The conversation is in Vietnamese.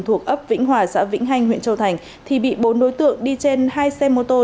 thuộc ấp vĩnh hòa xã vĩnh hành huyện châu thành thì bị bốn đối tượng đi trên hai xe mô tô